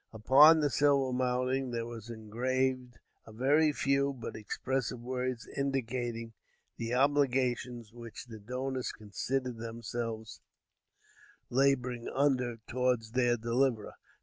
Upon the silver mountings, there were engraved a very few, but expressive words, indicating the obligations which the donors considered themselves laboring under towards their deliverer.